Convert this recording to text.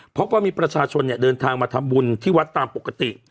พบว่ามีประชาชนเดินทางมาทำบุญที่วัดตามปกติ